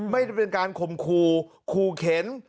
ไม่ได้เป็นการข่มขู่ขู่เข็น